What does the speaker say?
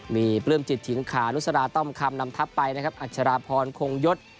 มีปลื้มจิตถิงขานุสราต้อมคำนำทับไปนะครับอัชราพรคงยศ